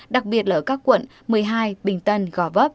đặc biệt là ở các quận một mươi hai bình tân gò vấp